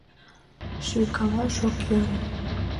Шуйкалаш ок йӧрӧ.